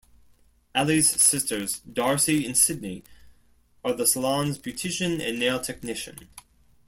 Allie's sisters, Darcy and Sydney, are the salon's beautician and nail technician.